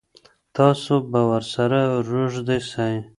تاسو به ورسره روږدي سئ.